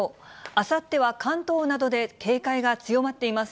あさっては関東などで警戒が強まっています。